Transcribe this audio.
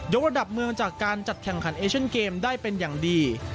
กระดับเมืองจากการจัดแข่งขันเอเชนเกมได้เป็นอย่างดี